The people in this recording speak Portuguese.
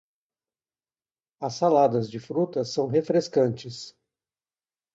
As saladas de frutas são refrescantes.